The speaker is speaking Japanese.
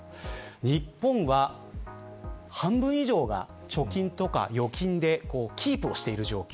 日本は半分以上が貯金とか預金でキープをしている状況。